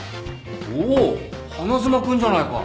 おお花妻君じゃないか。